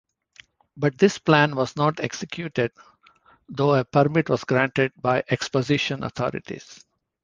But this plan was not executed though a permit was granted by Exposition authorities.